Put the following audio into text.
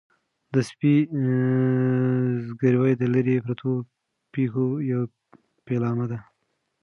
د سپي زګیروی د لیرې پرتو پېښو یو پیلامه ده.